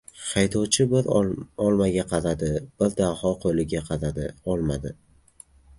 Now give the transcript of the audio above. Haydovchi bir olmaga qaradi, bir Daho qo‘liga qaradi. Olmadi!